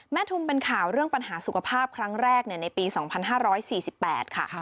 ทุมเป็นข่าวเรื่องปัญหาสุขภาพครั้งแรกในปี๒๕๔๘ค่ะ